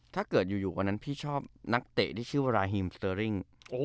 ถ้าเกิดสมมุติอยู่รอยนั้นพี่ชอบนักเตะที่ชื่อวาลาฮิมสเตอริ่ง